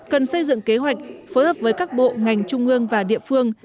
cần xây dựng kế hoạch phối hợp với các bộ ngành trung ương và địa phương